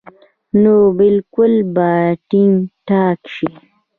نو بالکل به ټيک ټاک شي -